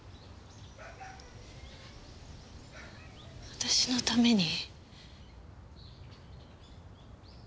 私のために。